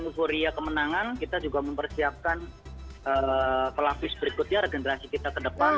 euforia kemenangan kita juga mempersiapkan pelafis berikutnya regenerasi kita ke depan